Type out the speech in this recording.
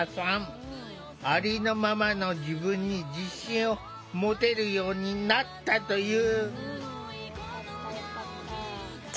ありのままの自分に自信を持てるようになったという。